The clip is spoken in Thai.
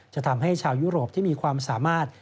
จะทำให้ชาวยุโรปที่มีความสามารถ